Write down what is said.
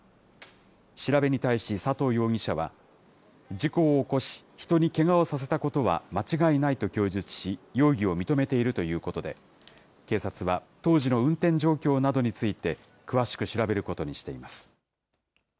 調べに対し、佐藤容疑者は、事故を起こし、人にけがをさせたことは間違いないと供述し、容疑を認めているということで、警察は当時の運転状況などについて、詳しく調べることにしています。